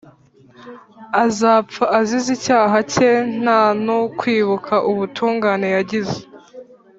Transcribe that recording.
Azapfa azize icyaha cye ntan'ukwibuka ubutungane yagize,